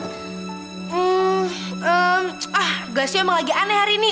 hmm emm ah glasio emang lagi aneh hari ini